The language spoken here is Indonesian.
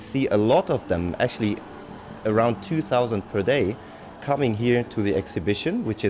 datang ke pembahasan ini yang gratis yang terbuka setiap hari